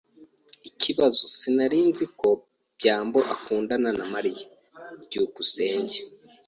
Ikibazo sinari nzi ko byambo akundana na Mariya. byukusenge